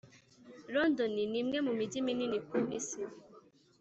london ni umwe mu mijyi minini ku isi.